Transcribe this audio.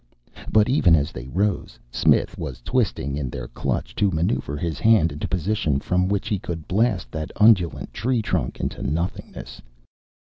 But even as they rose, Smith was twisting in their clutch to maneuver his hand into a position from which he could blast that undulant tree trunk into nothingness.